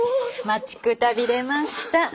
待ちくたびれました。